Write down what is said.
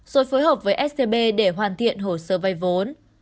rồi phối hợp với scb để hoàn thiện hồ sơ vay vốn